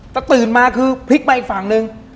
แต่ตื่นมาคือพลิกมาอีกฝั่งนึง